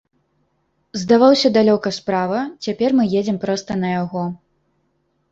Здаваўся далёка справа, цяпер мы едзем проста на яго.